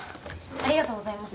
ありがとうございます。